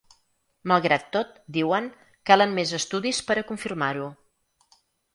Malgrat tot, diuen, calen més estudis per a confirmar-ho.